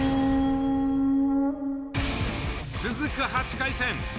続く８回戦。